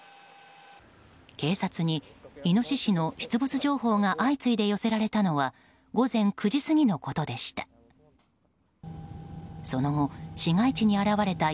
警察にイノシシの出没情報が相次いで寄せられたのは午前９時過ぎのことでした。